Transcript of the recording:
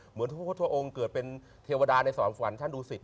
เหมือนพระพุทธโทษองค์เกิดเป็นเทวดาในสวรรค์สวรรค์ช่างดูสิทธิ์